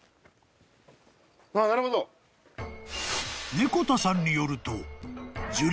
［猫田さんによると樹齢